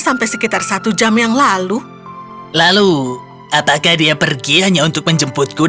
dan hachiko kembali pulang ke rumah